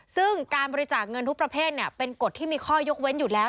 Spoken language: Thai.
ซึ่งการบริจาคเงินทุกประเภทเป็นกฎที่มีข้อยกเว้นอยู่แล้ว